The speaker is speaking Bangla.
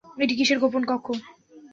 এটা কীসের গোপন কক্ষ?